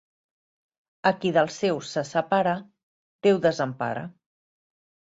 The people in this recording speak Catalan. A qui dels seus se separa, Déu desempara.